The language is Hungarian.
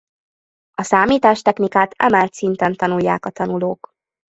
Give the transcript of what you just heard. A számítástechnikát emelt szinten tanulják a tanulók.